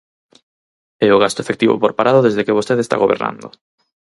É o gasto efectivo por parado desde que vostede está gobernando.